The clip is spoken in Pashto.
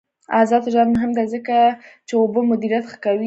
آزاد تجارت مهم دی ځکه چې اوبه مدیریت ښه کوي.